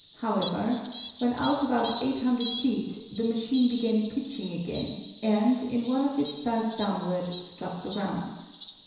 However, when out about eight hundred feet the machine began pitching again, and, in one of its starts downward, struck the ground.